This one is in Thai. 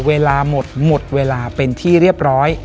เวลาหมดหมดเวลาเป็นที่เรียบร้อย